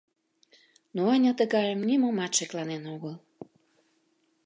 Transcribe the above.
Но Аня тыгайым нимомат шекланен огыл.